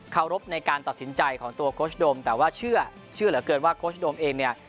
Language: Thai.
รบในการตัดสินใจของตัวโค้ชโดมแต่ว่าเชื่อเหลือเกินว่าโค้ชโดมเองเนี่ย